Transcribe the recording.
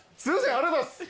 ありがとうございます。